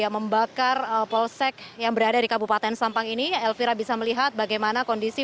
jadi ya membakar polsek yang berada di kabupaten sampang ini elvira bisa melihat bagaimana kondisi